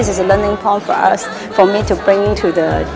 jadi saya rasa ini adalah titik pembelajaran untuk kami